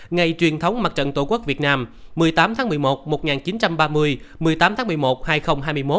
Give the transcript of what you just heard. ngày truyền thống mặt trận tổ quốc việt nam một mươi tám tháng một mươi một một nghìn chín trăm ba mươi một mươi tám tháng một mươi một hai nghìn hai mươi một